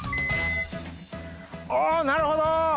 おなるほど！